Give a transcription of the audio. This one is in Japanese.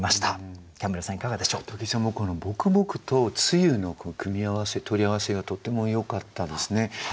武井さんの「ぼくぼく」と「梅雨」の組み合わせ取り合わせがとってもよかったですね。